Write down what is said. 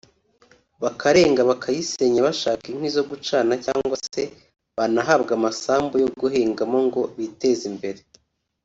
bakarenga bakayisenya bashaka inkwi zo gucana cyangwa se banahabwa amasambu yo guhingamo ngo biteze imbere